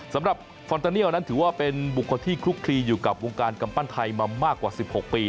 สำหรับฟอนตาเนียลนั้นถือว่าเป็นบุคคลที่คลุกคลีอยู่กับวงการกำปั้นไทยมามากกว่า๑๖ปี